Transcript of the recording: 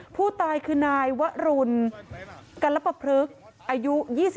ผู้ตายคือนายวรุณกัลปพลึกอายุ๒๓